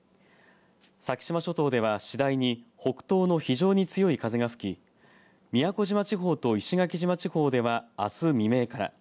先島諸島では次第に北東の非常に強い風が吹き宮古島地方と石垣島地方ではあす未明から。